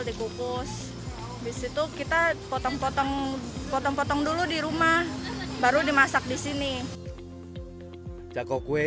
dikukus disitu kita potong potong potong potong dulu di rumah baru dimasak di sini jago kue